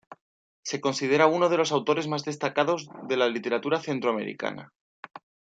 Se considera uno de los autores más destacados de la literatura centroamericana.